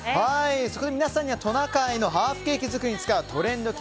そこで皆さんにはトナカイのハーフケーキ作りに使うトレンドＱ